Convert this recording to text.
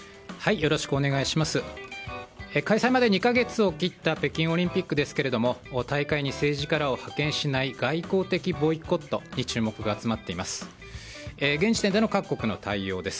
開催まで３か月を切った北京オリンピックですが大会に政治家らを派遣しない外交的ボイコットに注目が集まっています。